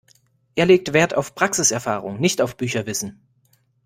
Er legt wert auf Praxiserfahrung, nicht auf Bücherwissen.